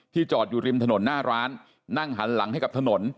จอดอยู่ริมถนนหน้าร้านนั่งหันหลังให้กับถนน